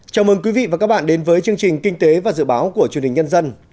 chào mừng quý vị và các bạn đến với chương trình kinh tế và dự báo của truyền hình nhân dân